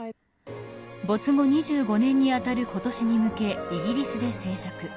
没後２５年にあたる今年に向けイギリスで制作。